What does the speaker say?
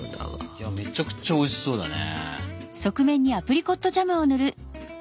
いやめちゃくちゃおいしそうだね。